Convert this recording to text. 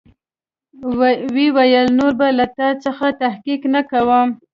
ويې ويل نور به له تا څخه تحقيق نه کوم.